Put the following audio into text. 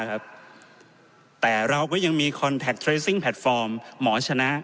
แต่เราก็ยังมีคอนแท็กเทรซิ่งแพลตฟอร์มหมอชนะ